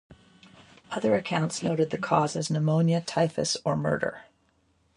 Other accounts noted the cause as pneumonia, typhus or murder.